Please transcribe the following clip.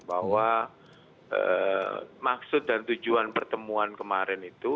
bahwa maksud dan tujuan pertemuan kemarin itu